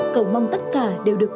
cầu mong tất cả đều được